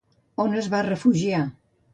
On es va refugiar?